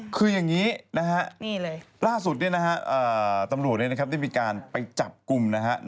คือยังงี้นะครับล่าสุดนี่นะครับตำรวจนี่มีการไปจับกลุ่มนะครับ